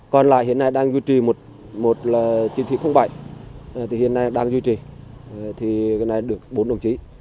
còn lại hiện nay đang duy trì một chiến thị không bệnh thì hiện nay đang duy trì thì cái này được bốn đồng chí